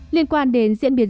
liên quan đến diễn biến